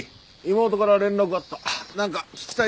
妹から連絡があった。